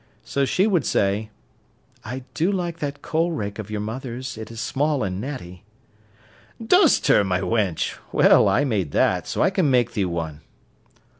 So she would say: "I do like that coal rake of your mother's—it is small and natty." "Does ter, my wench? Well, I made that, so I can make thee one!"